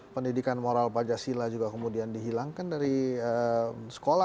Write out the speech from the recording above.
pendidikan moral pancasila juga kemudian dihilangkan dari sekolah